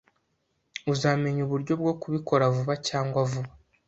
Uzamenya uburyo bwo kubikora vuba cyangwa vuba.